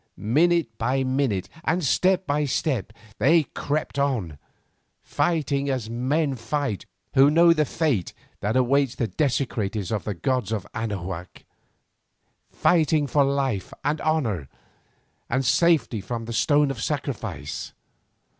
Minute by minute and step by step they crept on, fighting as men fight who know the fate that awaits the desecrators of the gods of Anahuac, fighting for life, and honour, and safety from the stone of sacrifice.